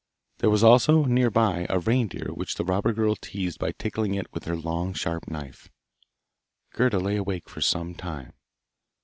There was also, near by, a reindeer which the robber girl teased by tickling it with her long sharp knife. Gerda lay awake for some time.